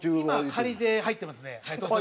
今で入ってますね。